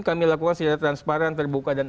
kami lakukan secara transparan terbuka dan